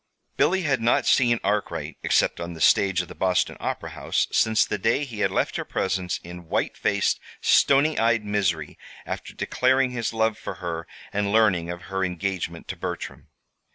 Billy had not seen Arkwright (except on the stage of the Boston Opera House) since the day he had left her presence in white faced, stony eyed misery after declaring his love for her, and learning of her engagement to Bertram.